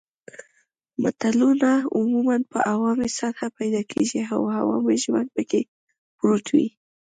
متلونه عموماً په عوامي سطحه پیدا کیږي او عوامي ژوند پکې پروت وي